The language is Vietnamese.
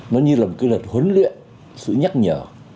nó như là một cái lượt huấn luyện sự nhắc nhở